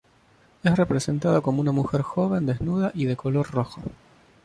Es representada como una mujer joven, desnuda y de color rojo.